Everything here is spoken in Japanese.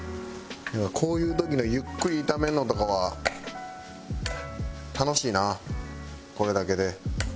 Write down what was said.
こういう時のゆっくり炒めるのとかは楽しいなこれだけで。